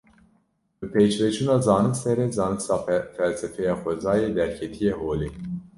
Bi pêşveçûna zanistê re, zanista felsefeya xwezayê derketiye holê